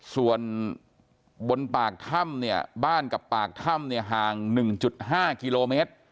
ส่วนบนปากถ้ำเนี่ยบ้านกับปากถ้ำเนี่ยห่าง๑๕กิโลเมตร